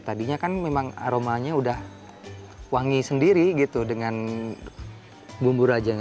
tadinya kan memang aromanya udah wangi sendiri gitu dengan bumbu rajanya